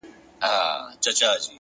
هره ورځ د ارزښت جوړولو فرصت لري،